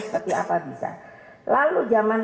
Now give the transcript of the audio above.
seperti apa bisa lalu zaman